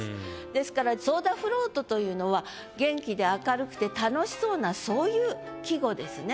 ですからソーダフロートというのは元気で明るくて楽しそうなそういう季語ですね。